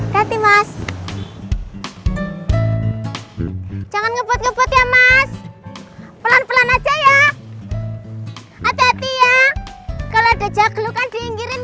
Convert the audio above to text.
datimas jangan ngebut ngebut ya mas pelan pelan aja ya hati hati ya kalau ada jaglukan diinggirin